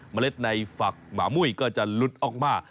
เล็ดในฝักหมามุ้ยก็จะลุดออกมา